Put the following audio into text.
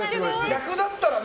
逆だったらね。